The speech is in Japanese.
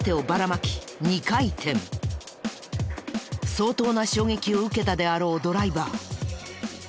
相当な衝撃を受けたであろうドライバー。